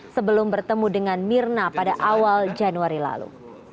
sebelum bertemu dengan mirna pada awal januari lalu